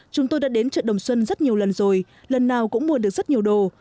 chúng tôi đã đến chợ đồng xuân rất nhiều lần rồi lần nào cũng mua được rất nhiều đồ